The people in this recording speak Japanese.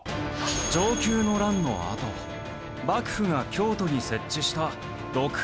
承久の乱のあと幕府が京都に設置した六波羅探題。